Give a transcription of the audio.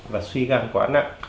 và suy gan quá nặng